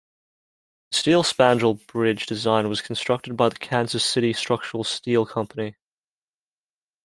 The steel spandrel bridge design was constructed by the Kansas City Structural Steel Company.